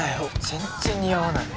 全然似合わない。